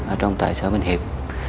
ở trong tại xã bình hiệp